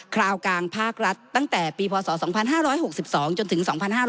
คราวกลางภาครัฐตั้งแต่ปีพศ๒๕๖๒จนถึง๒๕๕๙